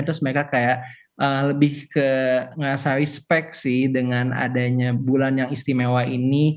terus mereka kayak lebih ke ngasa respect sih dengan adanya bulan yang istimewa ini